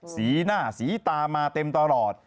สีหน้าสีตามาเต็มตลอด